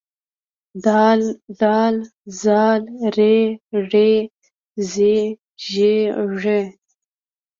د ډ ذ ر ړ ز ژ ږ